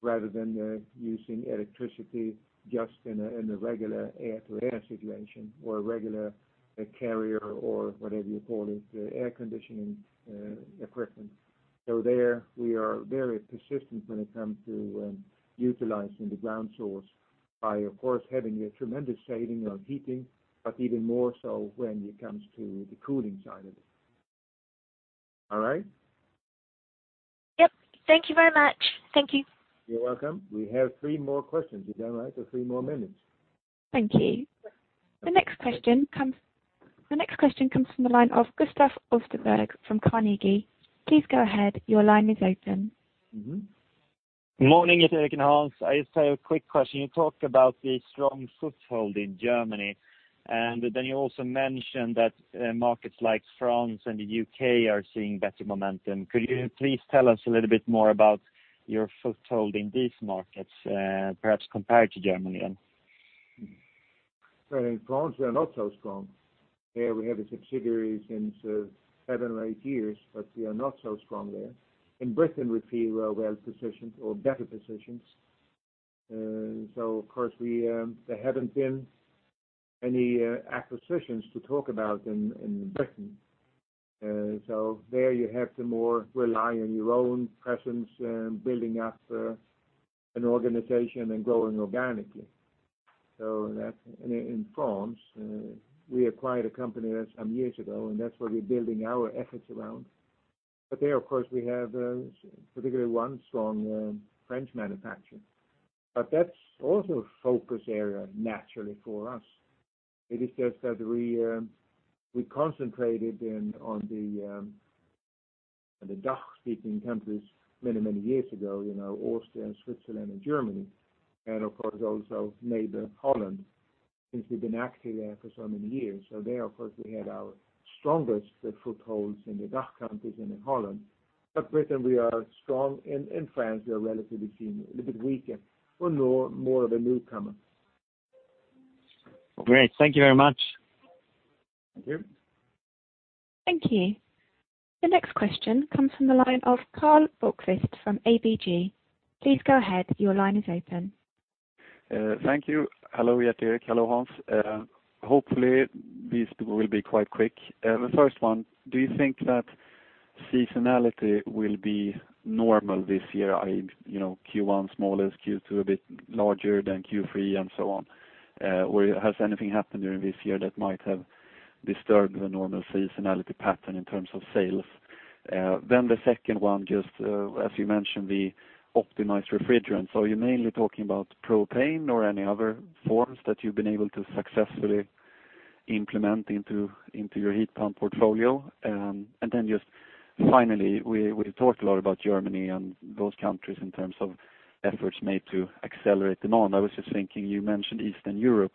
rather than using electricity just in a regular air-to-air situation or a regular Carrier or whatever you call it, air conditioning equipment. There we are very persistent when it comes to utilizing the ground source by, of course, having a tremendous saving on heating, but even more so when it comes to the cooling side of it. All right? Yep. Thank you very much. Thank you. You're welcome. We have three more questions. Is that right? Three more minutes. Thank you. The next question comes from the line of Gustav Österberg from Carnegie. Please go ahead. Your line is open. Morning, Gerteric and Hans. I just have a quick question. You talked about the strong foothold in Germany, and then you also mentioned that markets like France and the U.K. are seeing better momentum. Could you please tell us a little bit more about your foothold in these markets, perhaps compared to Germany and. In France, we are not so strong. There we have a subsidiary since 7 or 8 years, but we are not so strong there. In Britain, we feel we're well-positioned or better positioned. Of course, there haven't been any acquisitions to talk about in Britain. There you have to more rely on your own presence, building up an organization and growing organically. In France, we acquired a company some years ago, and that's what we're building our efforts around. There, of course, we have particularly 1 strong French manufacturer. That's also a focus area, naturally, for us. It is just that we concentrated then on the German-speaking countries many years ago, Austria and Switzerland and Germany, and of course, also neighbor Holland, since we've been active there for so many years. There, of course, we have our strongest footholds in the DACH countries and in Holland. Britain, we are strong. In France, we are relatively a bit weaker. We're more of a newcomer. Great. Thank you very much. Thank you. Thank you. The next question comes from the line of Karl Bokvist from ABG. Please go ahead. Your line is open. Thank you. Hello, Gerteric Lindquist. Hello, Hans. Hopefully, this will be quite quick. The first one, do you think that seasonality will be normal this year, i.e., Q1 smallest, Q2 a bit larger than Q3 and so on? Or has anything happened during this year that might have disturbed the normal seasonality pattern in terms of sales? The second one, just as you mentioned, the optimized refrigerant. Are you mainly talking about propane or any other forms that you've been able to successfully implement into your heat pump portfolio? Just finally, we talked a lot about Germany and those countries in terms of efforts made to accelerate demand. I was just thinking, you mentioned Eastern Europe.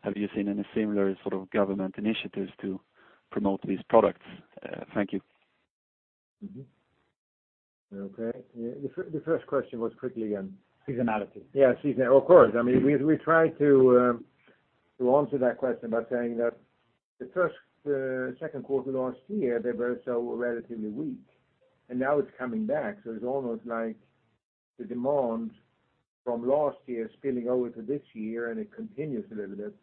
Have you seen any similar sort of government initiatives to promote these products? Thank you. Mm-hmm. Okay. The first question was quickly, again? Seasonality. Yeah, seasonality. Of course. I mean, we try to answer that question by saying that the first second quarter last year, they were so relatively weak, and now it's coming back. It's almost like the demand from last year spilling over to this year, and it continues a little bit.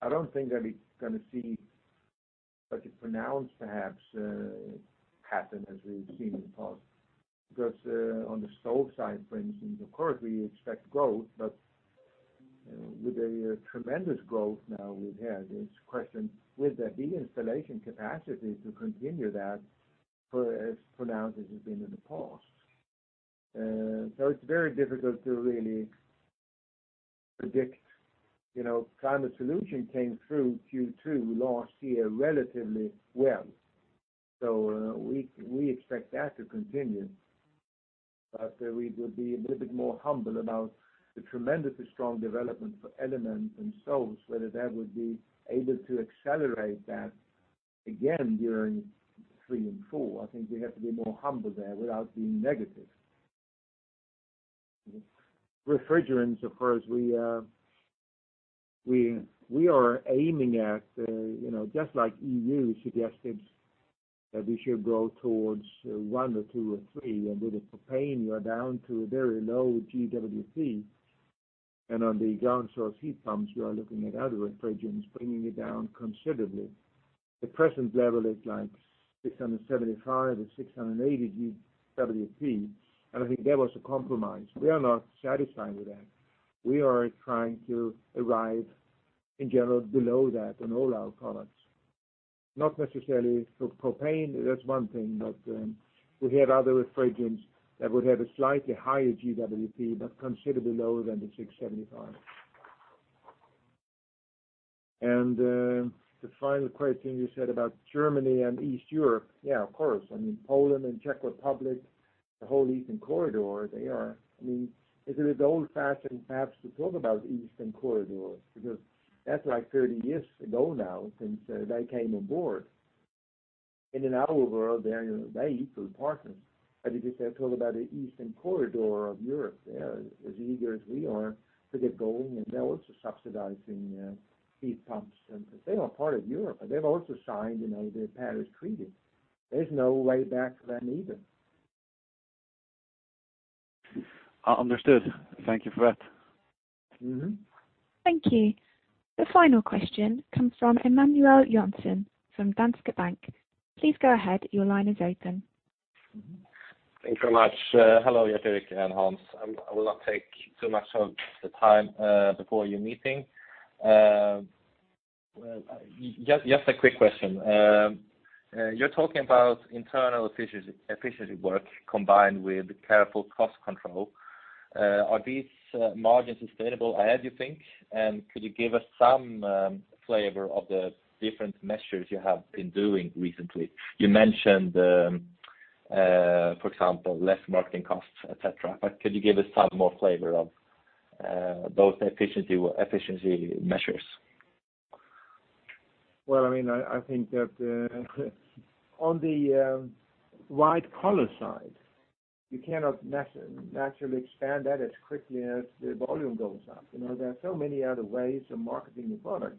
I don't think that it's going to see such a pronounced perhaps happen as we've seen in the past. On the stove side, for instance, of course, we expect growth, but with the tremendous growth now we've had, it's a question, will there be installation capacity to continue that for as pronounced as it's been in the past? It's very difficult to really predict. Climate Solutions came through Q2 last year relatively well. We expect that to continue, but we will be a little bit more humble about the tremendously strong development for NIBE Element themselves, whether that would be able to accelerate that again during three and four. I think we have to be more humble there without being negative. Refrigerants, of course, we are aiming at, just like EU suggested, that we should go towards 1 or 2 or 3. With the propane, you are down to a very low GWP. On the ground source heat pumps, you are looking at other refrigerants, bringing it down considerably. The present level is like 675 or 680 GWP, and I think that was a compromise. We are not satisfied with that. We are trying to arrive, in general, below that on all our products. Not necessarily for propane. That's one thing, but we have other refrigerants that would have a slightly higher GWP, but considerably lower than the 675. The final question you said about Germany and East Europe. Yeah, of course, Poland and Czech Republic, the whole Eastern corridor. It is old-fashioned perhaps to talk about Eastern corridor because that's like 30 years ago now since they came aboard. In our world, they're equal partners. If you talk about the Eastern corridor of Europe, they're as eager as we are to get going, and they're also subsidizing heat pumps. They are part of Europe, and they've also signed the Paris Agreement. There's no way back for them either. Understood. Thank you for that. Thank you. The final question comes from Emmanuel Cau from Danske Bank. Please go ahead. Your line is open. Thanks so much. Hello, Gerteric and Hans. I will not take too much of the time before your meeting. Just a quick question. You're talking about internal efficiency work combined with careful cost control. Are these margins sustainable ahead, you think? Could you give us some flavor of the different measures you have been doing recently? You mentioned, for example, less marketing costs, et cetera, but could you give us some more flavor of those efficiency measures? Well, I think that on the white collar side, you cannot naturally expand that as quickly as the volume goes up. There are so many other ways of marketing the product,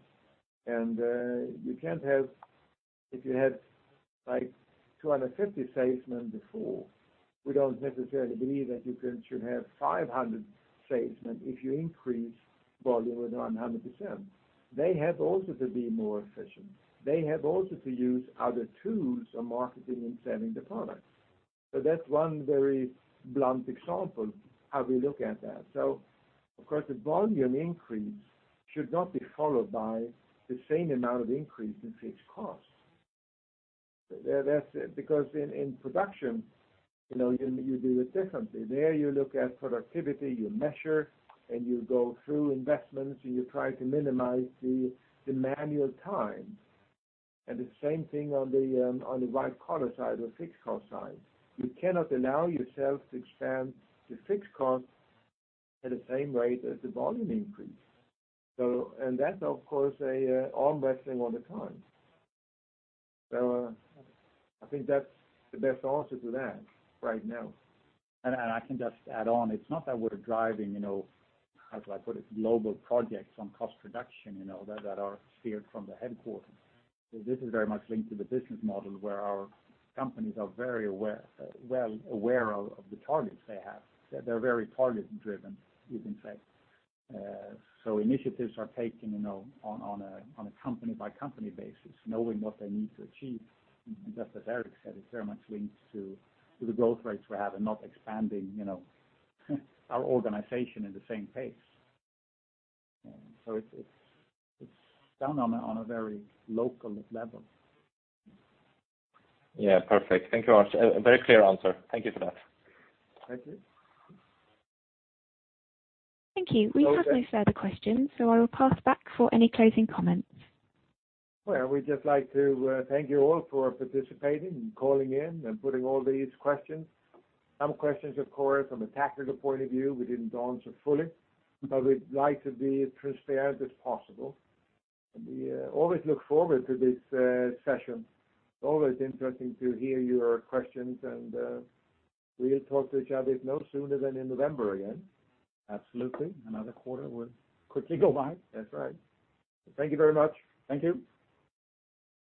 and if you had 250 salesmen before, we don't necessarily believe that you should have 500 salesmen if you increase volume with 100%. They have also to be more efficient. They have also to use other tools of marketing and selling the product. That's one very blunt example how we look at that. Of course, the volume increase should not be followed by the same amount of increase in fixed costs. In production, you do it differently. There you look at productivity, you measure, and you go through investments, and you try to minimize the manual time. The same thing on the white collar side or fixed cost side. You cannot allow yourself to expand the fixed cost at the same rate as the volume increase. That's, of course, arm wrestling all the time. I think that's the best answer to that right now. I can just add on, it's not that we're driving, how do I put it, global projects on cost reduction that are steered from the headquarters. This is very much linked to the business model where our companies are very well aware of the targets they have. They're very target driven, you can say. Initiatives are taken on a company-by-company basis, knowing what they need to achieve. Just as Gerteric said, it very much links to the growth rates we have and not expanding our organization in the same pace. It's done on a very local level. Yeah, perfect. Thank you much. A very clear answer. Thank you for that. Thank you. Thank you. We have no further questions. I will pass back for any closing comments. Well, we'd just like to thank you all for participating and calling in and putting all these questions. Some questions, of course, from a tactical point of view, we didn't answer fully, but we'd like to be as transparent as possible. We always look forward to this session. It's always interesting to hear your questions, and we'll talk to each other no sooner than in November again. Absolutely. Another quarter will quickly go by. That's right. Thank you very much. Thank you.